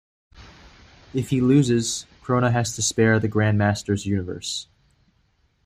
If he loses, Krona has to spare the Grandmaster's universe.